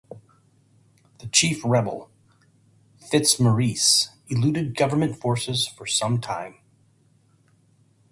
The chief rebel, Fitzmaurice, eluded government forces for some time.